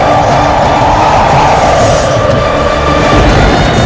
dan menghentikan raiber